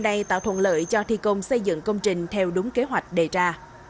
này tạo thuận lợi cho thi công xây dựng công trình theo đúng kế hoạch đề ra